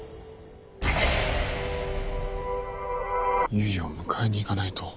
唯を迎えに行かないと。